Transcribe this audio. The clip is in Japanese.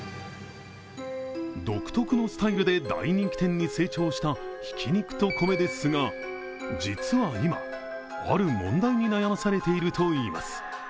独特のスタイルで大人気店に成長した挽肉と米ですが、実は今、ある問題に悩まされているといいます。